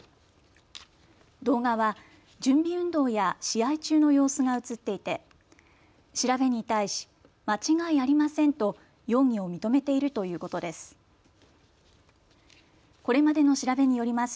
動画は準備運動や試合中の様子が写っていて調べに対し、間違いありませんと容疑を認めているということです。